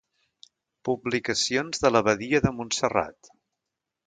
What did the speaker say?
Publicacions de l'Abadia de Montserrat.